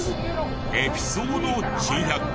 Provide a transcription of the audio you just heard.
エピソード珍百景。